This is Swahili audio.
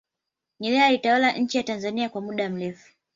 nyerere alitawala nchi ya tanzania kwa muda mrefu